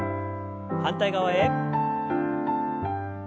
反対側へ。